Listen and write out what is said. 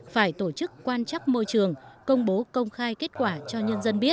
phải tổ chức quan chắc môi trường công bố công khai kết quả cho nhân dân biết